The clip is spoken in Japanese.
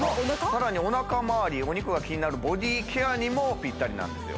さらにおなかまわりお肉が気になるボディーケアにもぴったりなんですよ